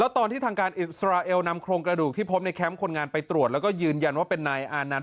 ตอนที่ทางการอิสราเอลนำโครงกระดูกที่พบในแคมป์คนงานไปตรวจแล้วก็ยืนยันว่าเป็นนายอานันต